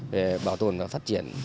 về bảo tồn và phát triển